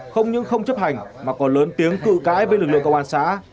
không những không chấp hành mà còn lớn tiếng cự cãi với lực lượng cơ quan xã